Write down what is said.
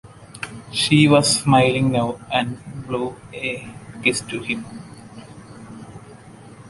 She was smiling now, and blew a kiss to him.